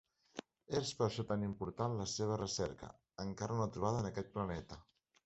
És per això tan important la seva recerca, encara no trobada en aquest planeta.